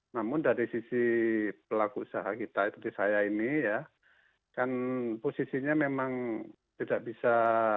namun dari sisi pelaku usaha kita seperti saya ini ya kan posisinya memang tidak bisa